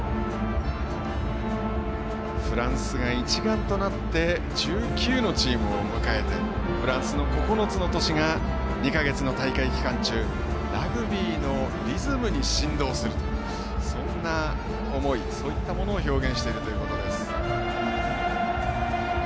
フランスが一丸となって１９のチームを迎えてフランスの９つの都市が２か月の大会期間中ラグビーのリズムに振動するそんな思い、そういったものを表現しているということです。